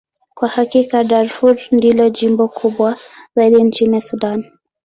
Kwa hakika, Darfur ndilo jimbo kubwa zaidi nchini Sudan.